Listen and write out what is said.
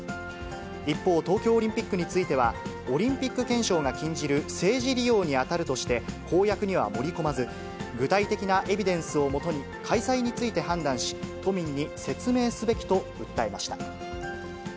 一方、東京オリンピックについては、オリンピック憲章が禁じる政治利用にあたるとして、公約には盛り込まず、具体的なエビデンスを基に、開催について判断し、都民に説明すべきと訴えました。